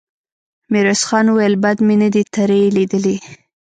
ميرويس خان وويل: بد مې نه دې ترې ليدلي.